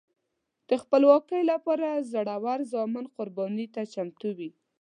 د خپلواکۍ لپاره زړور زامن قربانۍ ته چمتو وي.